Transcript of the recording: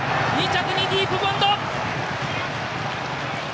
２着にディープボンド！